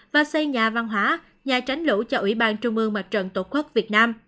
và xây nhà văn hóa nhà tránh lũ cho ủy ban trung ương mặt trận tổ quốc việt nam